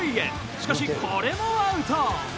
しかしこれもアウト。